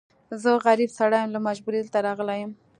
زه غريب سړی يم، له مجبوری دلته راغلی يم.